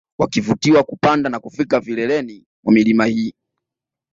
Wakivutiwa kupanda na kufika vileleni mwa milima hii